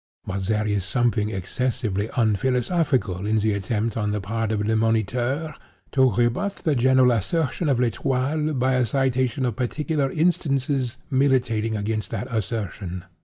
But there is something excessively unphilosophical in the attempt on the part of Le Moniteur, to rebut the general assertion of L'Etoile, by a citation of particular instances militating against that assertion.